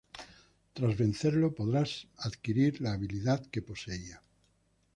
Tras vencerlo, podrás adquirir la habilidad que poseía.